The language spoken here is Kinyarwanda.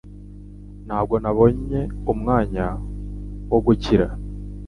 Ntabwo nabonye umwanya wo gukira